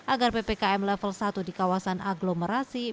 agar ppkm level satu di kawasan aglomerasi